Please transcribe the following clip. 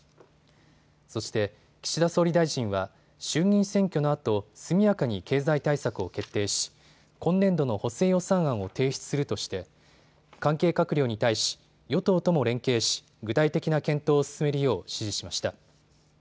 そして岸田総理大臣は衆議院選挙のあと速やかに経済対策を徹底し今年度の補正予算案を提出するとして関係閣僚に対し与党とも連携し、具体的な検討を進めるよう指示しました。